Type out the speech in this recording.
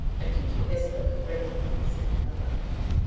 _ a duty Hesper could recognize in another.